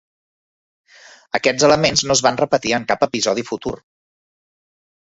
Aquests elements no es van repetir en cap episodi futur.